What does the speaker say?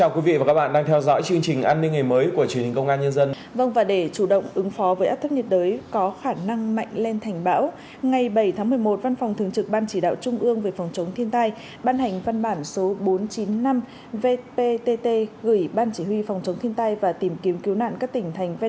các bạn hãy đăng ký kênh để ủng hộ kênh của chúng mình nhé